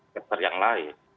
dan setelah itu yang lain